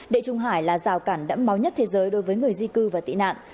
địa trung hải là rào cản đẫm máu nhất thế giới đối với người di cư và tị nạn